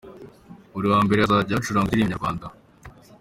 Buri wa mbere:Hazajya hacurangwa Indirimbo Nyarwanda.